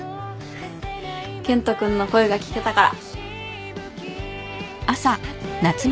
健人君の声が聞けたから。